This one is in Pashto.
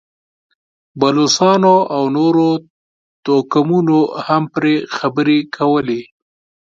بلوڅانو او نورو توکمونو هم پرې خبرې کولې.